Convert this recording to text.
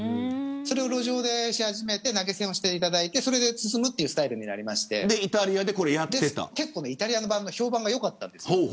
それを路上でし始めて投げ銭をしていただいてそれで進むというスタイルになりまして結構、イタリアは評判がよかったんですよ。